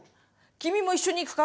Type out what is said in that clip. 君も一緒にいくか？